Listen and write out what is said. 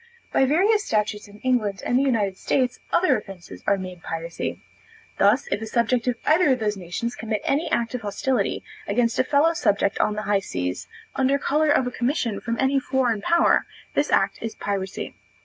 By various statutes in England and the United States, other offences are made piracy. Thus, if a subject of either of these nations commit any act of hostility against a fellow subject on the high seas, under color of a commission from any foreign power, this act is piracy.